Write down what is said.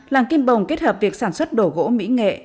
làng kim bồng kết hợp việc sản xuất đổ gỗ mỹ nghệ